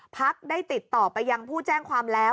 พักได้ติดต่อไปยังผู้แจ้งความแล้ว